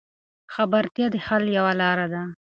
خبرتیا د حل یوه لار ده.